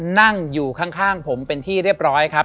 นั่งอยู่ข้างผมเป็นที่เรียบร้อยครับ